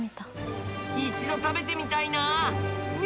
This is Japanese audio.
一度食べてみたいな。ね？